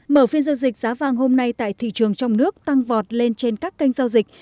mở phiên giao dịch giá vàng hôm nay tại thị trường trong nước tăng vọt lên trên các kênh giao dịch